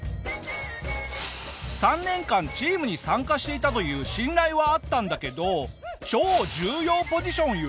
３年間チームに参加していたという信頼はあったんだけど超重要ポジション故